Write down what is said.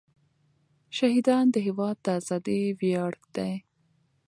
شهیدان د هېواد د ازادۍ ویاړ دی.